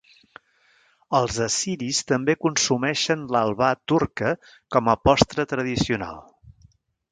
Els assiris també consumeixen l'halva turca com a postre tradicional.